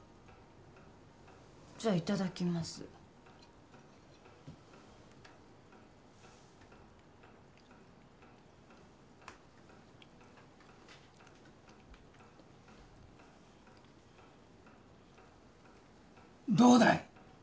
じゃあいただきますどうだい！？